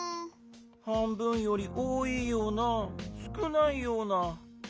はんぶんよりおおいようなすくないような。